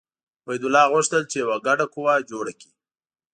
عبیدالله غوښتل چې یوه ګډه قوه جوړه کړي.